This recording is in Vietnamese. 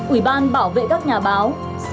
ủy ban bảo vệ các nhà báo